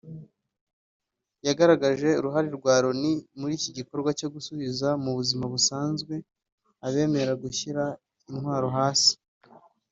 yagaragaje uruhare rwa Loni muri iki gikorwa cyo gusubiza mu buzima busanzwe abemera gushyira intwaro hasi